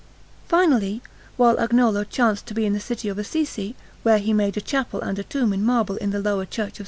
Finally, while Agnolo chanced to be in the city of Assisi, where he made a chapel and a tomb in marble in the lower Church of S.